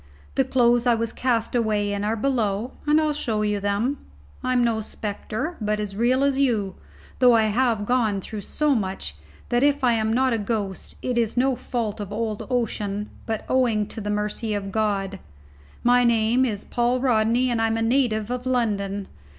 The clothes I was cast away in are below, and I'll show you them. I'm no spectre, but as real as you; though I have gone through so much that, if I am not a ghost, it is no fault of old ocean, but owing to the mercy of God. My name is Paul Rodney, and I'm a native of London.